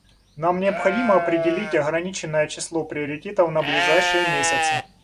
Нам необходимо определить ограниченное число приоритетов на ближайшие месяцы.